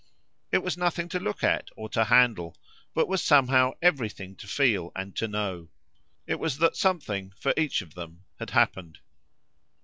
It was nothing to look at or to handle, but was somehow everything to feel and to know; it was that something for each of them had happened.